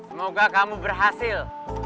semoga kamu berhasil